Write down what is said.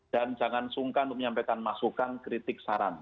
dan jangan sungkan menyampaikan masukan kritik saran